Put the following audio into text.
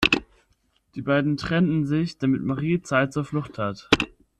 Die beiden trennen sich, damit Marie Zeit zur Flucht hat.